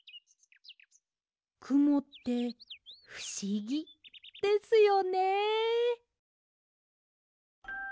くもってふしぎですよね。